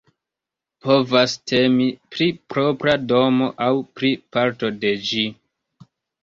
Povas temi pri propra domo aŭ pri parto de ĝi.